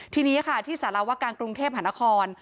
ทีนี้ค่ะที่สารวการกรุงเทพหานคร